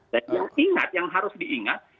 dan yang ingat yang harus diingat